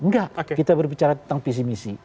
gak kita berbicara tentang visi visi